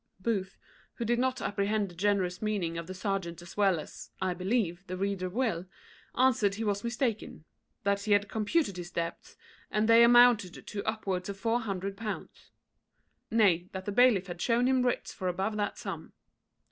Booth, who did not apprehend the generous meaning of the serjeant as well as, I believe, the reader will, answered he was mistaken; that he had computed his debts, and they amounted to upwards of four hundred pounds; nay, that the bailiff had shewn him writs for above that sum.